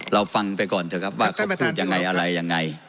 เราฟังไปก่อนเถอะครับว่าเขาพูดยังไงอะไรยังไง